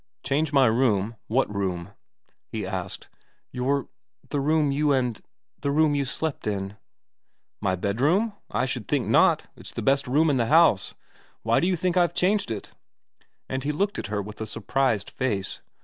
' Change my room ? What room ?' he asked. ' Your the room you and the room you slept in.' ' My bedroom ? I should think not. It's the best room in the house. Why do you think I've changed it ?' And he looked at her with a surprised face.